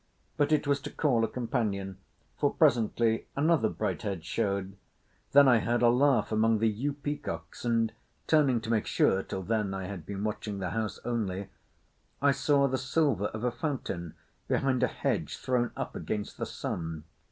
But it was to call a companion, for presently another bright head showed. Then I heard a laugh among the yew peacocks, and turning to make sure (till then I had been watching the house only) I saw the silver of a fountain behind a hedge thrown up against the sun.